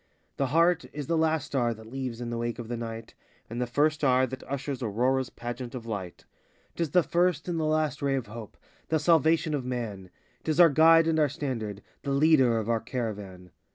The heart is the last star that leaves in the wake of the Night, And the first star that ushers Aurora's pageant of light; 'T is the first and the last ray of hope, the salvation of man; 'T is our guide and our standard—the leader of our caravan.